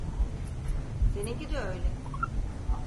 Seninki de öyle.